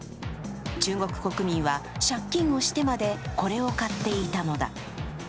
中国国民は借金をしてまで、これを買っていたのだ。